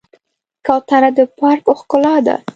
کوتره د پارک ښکلا ده.